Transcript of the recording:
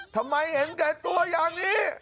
ทำไมเห็นแก่ตัวอย่างนี้